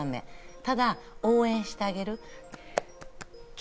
ただ応援してあげる。